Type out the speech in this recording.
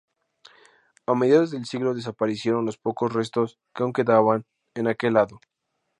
A mediados del siglo desaparecieron los pocos restos que aún quedaban en aquel lado.